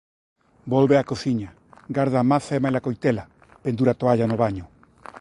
Volve á cociña, garda a maza e maila coitela, pendura a toalla no baño.